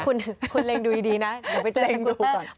คุณเล็งดูดีนะเดี๋ยวไปเจอสกูตเตอร์